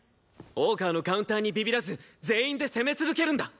大川のカウンターにビビらず全員で攻め続けるんだ！